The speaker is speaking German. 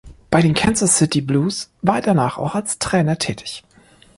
Bei den Kansas City Blues war er danach auch als Trainer tätig.